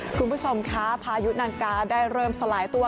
คุณผู้ชมคะพายุนังกาได้เริ่มสลายตัว